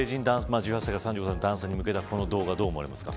１８歳から３５歳に向けた男性に向けたこの動画どう思いますか。